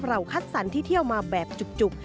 คัดสรรที่เที่ยวมาแบบจุก